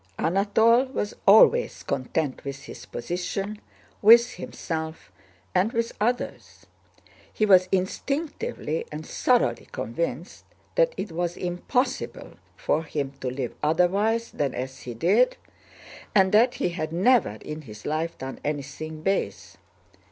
Anatole was always content with his position, with himself, and with others. He was instinctively and thoroughly convinced that it was impossible for him to live otherwise than as he did and that he had never in his life done anything base.